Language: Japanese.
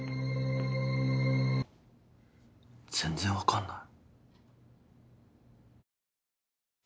全然分かんない。